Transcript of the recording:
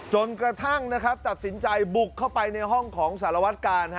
จนกระทั่งนะครับตัดสินใจบุกเข้าไปในห้องของสารวัตกาล